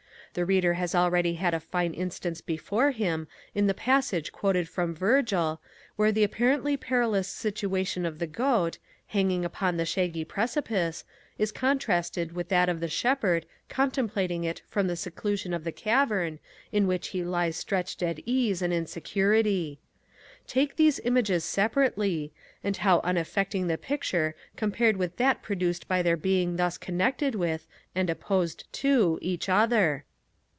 The Reader has already had a fine instance before him in the passage quoted from Virgil, where the apparently perilous situation of the goat, hanging upon the shaggy precipice, is contrasted with that of the shepherd contemplating it from the seclusion of the cavern in which he lies stretched at ease and in security. Take these images separately, and how unaffecting the picture compared with that produced by their being thus connected with, and opposed to, each other!